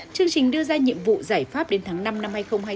chương trình đưa ra nhiệm vụ giải pháp đến tháng năm năm hai nghìn hai mươi bốn